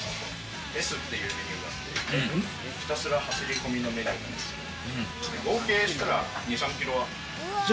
Ｓというメニューがあって、ひたすら走り込みのメニューなんですけれども。